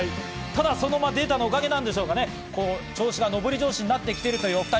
ただそのデータのおかげなんでしょうか、調子が上り調子になってきているというお２人。